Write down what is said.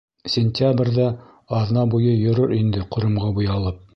Сентябрҙә аҙна буйы йөрөр инде ҡоромға буялып.